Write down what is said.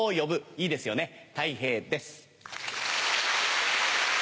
いいですよねたい平です。